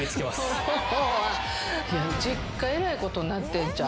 いや実家えらいことになってんちゃう？